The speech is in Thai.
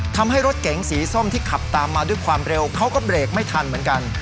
ทำให้รถเก๋งสีส้มที่ขับตามมาด้วยความเร็วเขาก็เบรกไม่ทันเหมือนกัน